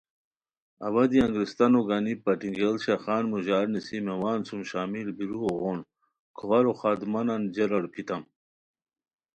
اوا دی انگریستانو گانی پٹینگیڑ شاخان موژار نیسی میوان سُم شامل بیرؤ غون کھوارو خادمانان جیرا روپھیتام